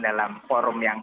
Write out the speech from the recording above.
dalam forum yang